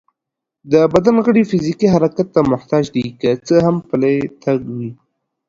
د بدن غړي فزيکي حرکت ته محتاج دي، که څه هم پلی تګ وي